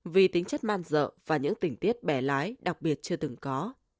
vì tính chất man dợ và những tỉnh tiết bẻ lái đặc biệt chưa từng có